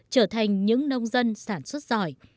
trở thành những nông dân sản xuất giỏi